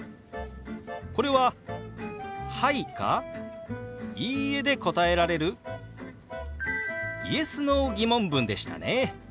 これは「はい」か「いいえ」で答えられるＹｅｓ／Ｎｏー疑問文でしたね。